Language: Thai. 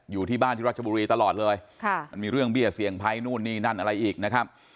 อยู่ที่บ้านที่รัชบุรีตลอดเลยค่ะมันมีเรื่องเบี้ยเสี่ยงภัยนู่นนี่นั่นอะไรอีกนะครับ